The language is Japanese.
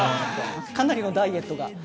かなりのダイエットが。